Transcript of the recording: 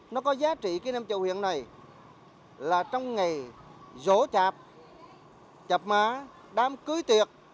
nó có giá trị cái nem chợ huyện này là trong ngày dỗ chạp chạp má đám cưới tiệc